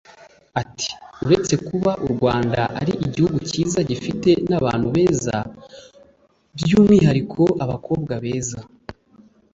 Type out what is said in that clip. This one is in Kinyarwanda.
Ati“Uretse kuba u Rwanda ari igihugu cyiza gifite n’abantu beza by’umwihariko abakobwa beza